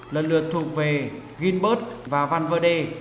lần lượt thuộc về gilbert và van verde